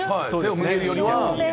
背を向けるよりは。